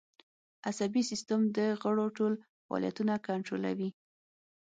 عصبي سیستم د غړو ټول فعالیتونه کنترولوي